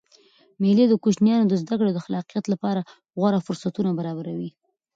مېلې د کوچنيانو د زدکړي او خلاقیت له پاره غوره فرصتونه برابروي.